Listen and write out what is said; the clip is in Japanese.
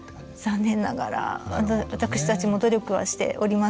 残念ながら私たちも努力はしておりますが。